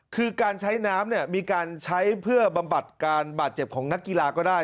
คือการใช้น้ำเนี่ยมีการใช้เพื่อบำบัดการบาดเจ็บของนักกีฬาก็ได้